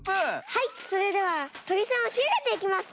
はいそれではとりさんをしあげていきます。